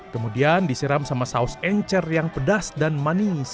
kemudian disiram sama saus encer yang pedas dan manis